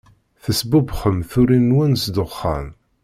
Tesbumbxem turin-nwen s ddexxan.